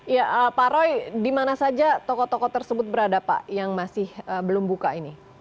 ya pak roy di mana saja toko toko tersebut berada pak yang masih belum buka ini